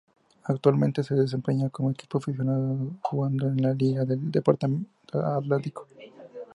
Actualmente se desempeña como equipo aficionado, jugando en la liga del departamento de atlántico.